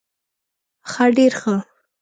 ښه ډير ښه